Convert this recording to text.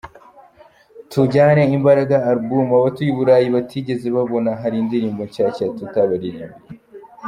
Tujyanye ’Imbaraga Album’ abatuye i Burayi batigeze babona, hari indirimbo nshyashya tutabaririmbiye.